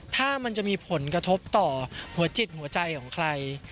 ถ้ามันจะมีผลกระทบต่อหัวจิตหัวใจของใคร